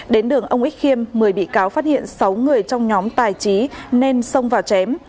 đến đường ông ích khiêm một mươi bị cáo phát hiện sáu người trong nhóm tài trí nên xông vào chém